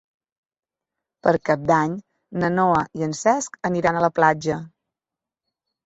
Per Cap d'Any na Noa i en Cesc aniran a la platja.